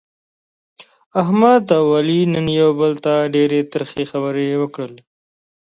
احمد او علي نن یو بل ته ډېرې ترخې خبرې وکړلې.